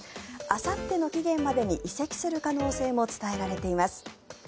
あさっての期限までに移籍する可能性も伝えられています。